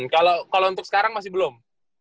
kalau untuk sekarang masih belum